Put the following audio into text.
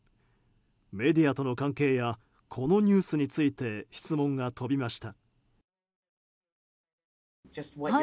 メディアとの関係やこのニュースについて質問が飛びました。